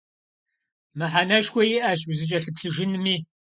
Мыхьэнэшхуэ иӀэщ узыкӀэлъыплъыжынми.